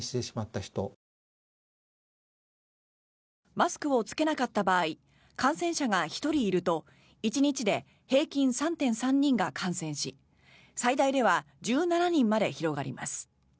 マスクを着けなかった場合感染者が１人いると１日で平均３．３人が感染し最大では１７人まで広がります。